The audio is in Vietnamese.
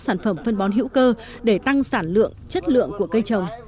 sản phẩm phân bón hữu cơ để tăng sản lượng chất lượng của cây trồng